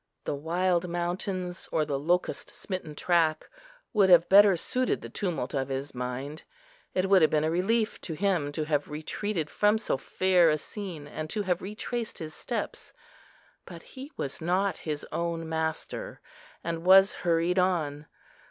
The wild mountains, or the locust smitten track would have better suited the tumult of his mind. It would have been a relief to him to have retreated from so fair a scene, and to have retraced his steps, but he was not his own master, and was hurried on.